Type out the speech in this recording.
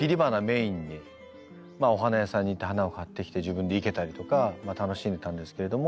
お花屋さんに行って花を買ってきて自分で生けたりとか楽しんでたんですけれども。